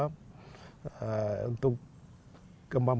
untuk kemampuan belajar tentang teknik karyawan